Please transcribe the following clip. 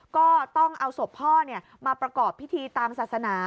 ก็ต้องเอาศพพ่อมาประกอบพิธีตามศาสนา